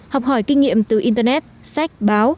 học hỏi kinh nghiệm tự nhiên